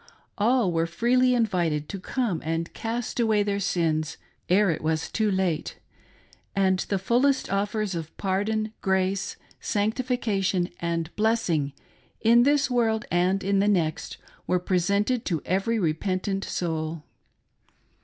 All were freely invited to come and cast away their sins, ere it was too late ; and the fullest offers of pardon, grace, sanctification and blessing, in this world and in the next, were presented to every repentant soul.